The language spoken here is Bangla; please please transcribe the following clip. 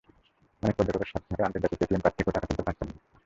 অনেক পর্যটকের সঙ্গে থাকা আন্তর্জাতিক এটিএম কার্ড থেকেও টাকা তুলতে পারছেন না।